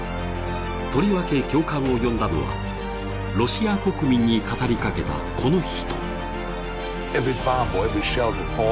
とりわけ共感を呼んだのはロシア国民に呼びかけたこの人。